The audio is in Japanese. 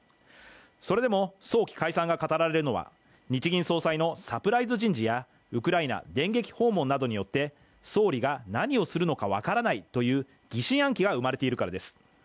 それでも早期解散が語られるのは日銀総裁のサプライズ人事やウクライナ電撃訪問などによって総理が何をするのか分からないという疑心暗鬼が生まれているからです。